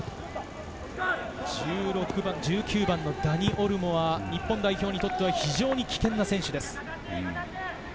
１９番のダニ・オルモは日本代表にとっては非常に危険な選手です。